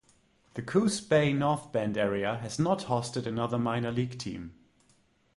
The Coos Bay–North Bend area has not hosted another minor league team.